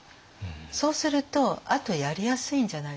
そうするとあとやりやすいんじゃないですか？